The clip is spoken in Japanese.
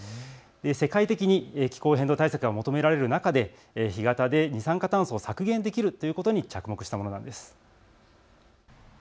世界的に気候変動対策が求められる中で干潟で二酸化炭素を削減できることに着目したものです。